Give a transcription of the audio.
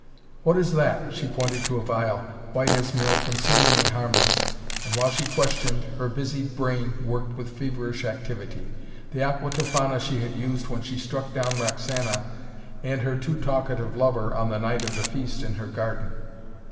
"What is that?" she pointed to a phial, white as milk and seemingly harmless, and while she questioned, her busy brain worked with feverish activity. The Aqua Tofana she had used when she struck down Roxana and her too talkative lover on the night of the feast in her garden.